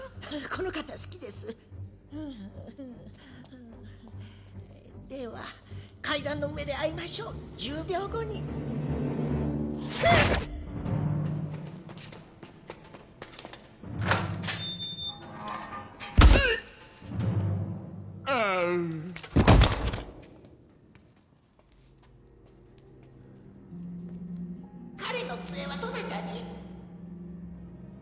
この方好きですでは階段の上で会いましょう１０秒後にうっああうう彼の杖はどなたに？